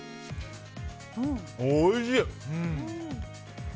おいしい！